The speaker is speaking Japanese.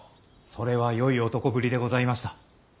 それはよい男ぶりでございました。